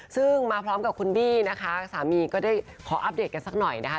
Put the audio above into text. ซึ่งมาพร้อมกับคุณบี้นะคะสามีก็ได้ขออัปเดตกันสักหน่อยนะคะ